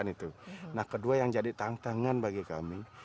nah kedua yang jadi tantangan bagi kami